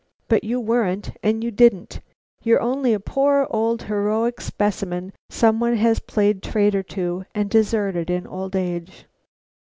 But you weren't and you didn't; you're only a poor, old, heroic specimen someone has played traitor to and deserted in old age.